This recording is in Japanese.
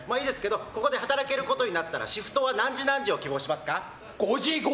ここで働けることになったらシフトは何時何時を希望しますか？